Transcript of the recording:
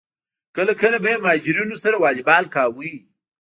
کله کله به یې مهاجرینو سره والیبال کاوه.